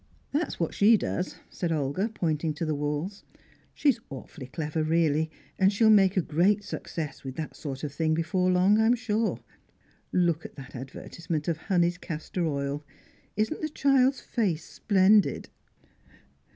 "That's what she does," said Olga, pointing to the walls. "She's awfully clever really, and she'll make a great success with that sort of thing before long, I'm sure. Look at that advertisement of Honey's Castor Oil. Isn't the child's face splendid?"